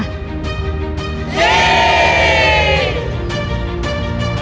เยี่ยม